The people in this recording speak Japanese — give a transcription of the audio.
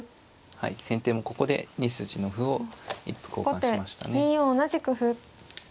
はい先手もここで２筋の歩を一歩交換しましたね。